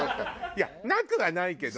いやなくはないけど